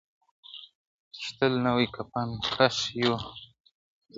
چي تل نوي کفن کښ یو زورولي،